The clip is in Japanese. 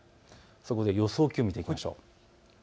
そこで予想気温を見ていきましょう。